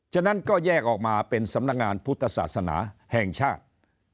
ฉะนั้นก็แยกออกมาเป็นสำนักงานพุทธศาสนาแห่งชาติ